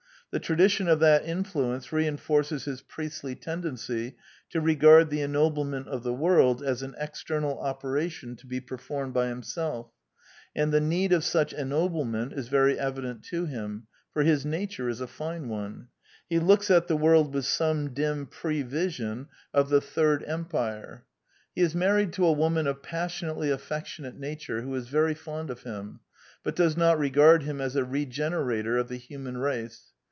The tradition of that influence reinforces his priestly tendency to regard the ennoblement of the world as an ex ternal operation to be performed by himself; and the need of such ennoblement is very evident to him ; for his nature is a fine one : he looks at the world with some dim prevision of " the third 114 ^^c Quintessence of Ibsenism empire." He is married to a woman of passion ately affectionate nature, who is very fond of him, but does not regard him as a regenerator of the human race.